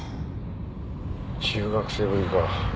中学生ぶりか？